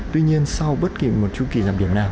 tuy nhiên sau bất kỳ một chư kỳ giảm điểm nào